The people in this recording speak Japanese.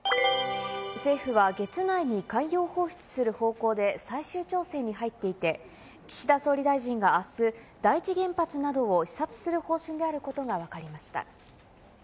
政府は月内に海洋放出する方向で最終調整に入っていて、岸田総理大臣があす、第一原発などを視察する方針であることが分かりました。